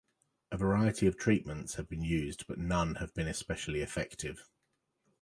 A variety of treatments have been used, but none have been especially effective.